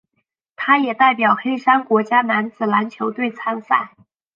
他也代表黑山国家男子篮球队参赛。